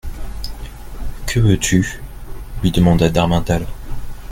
Que veux-tu ? lui demanda d'Harmental.